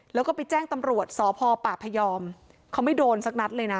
แล้วก็ไปแจ้งตำรวจสพปพยอมเขาไม่โดนสักนัดเลยนะ